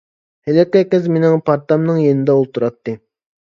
ھېلىقى قىز مىنىڭ پارتامنىڭ يېنىدا ئولتۇراتتى.